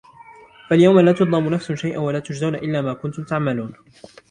فَالْيَوْمَ لَا تُظْلَمُ نَفْسٌ شَيْئًا وَلَا تُجْزَوْنَ إِلَّا مَا كُنْتُمْ تَعْمَلُونَ